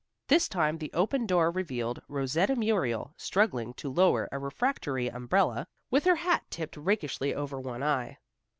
This time the open door revealed Rosetta Muriel, struggling to lower a refractory umbrella, with her hat tipped rakishly over one eye.